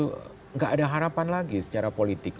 tidak ada harapan lagi secara politik